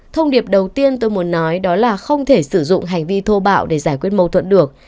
thông điệp đầu tiên tôi muốn nói đó là không thể sử dụng hành vi thô bạo để giải quyết mâu thuẫn được